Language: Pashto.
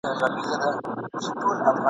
زه دا نه وایم چي !.